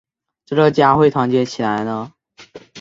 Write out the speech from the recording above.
这个家会团结起来呢？